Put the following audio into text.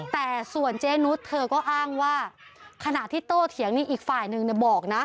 แต่ส่วนเจนุสเธอก็อ้างว่าขณะที่โตเถียงนี่อีกฝ่ายนึงบอกนะ